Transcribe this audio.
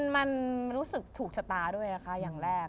มันรู้สึกถูกชะตาด้วยนะคะอย่างแรก